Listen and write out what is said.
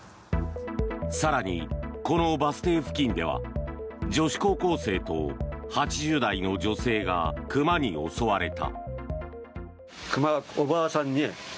更に、このバス停付近では女子高校生と８０代の女性が熊に襲われた。